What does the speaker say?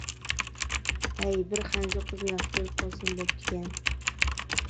ھەي. بىر خەنزۇ قىزنى ياخشى كۆرۈپ قالسام بوپتىكەن.